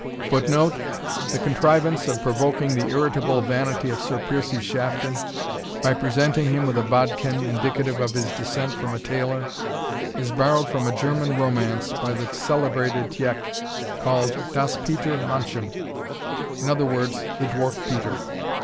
[Footnote: The contrivance of provoking the irritable vanity of Sir Piercie Shafton, by presenting him with a bodkin, indicative of his descent from a tailor, is borrowed from a German romance, by the celebrated Tieck, called Das Peter Manchem, i. e. The Dwarf Peter.